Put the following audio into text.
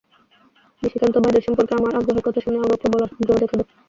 নিশিকান্ত ভাইদের সম্পর্কে আমার আগ্রহের কথা শুনে ওরও প্রবল আগ্রহ দেখা দেয়।